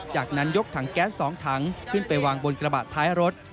จากนั้นยกถังแก๊ส๒ถังขึ้นไปวางบนกระบะท้ายรถ